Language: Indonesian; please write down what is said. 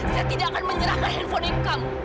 saya tidak akan menyerahkan handphone itu kamu